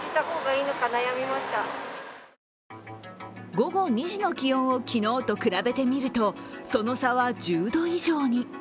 午後２時の気温を昨日と比べてみると、その差は１０度以上に。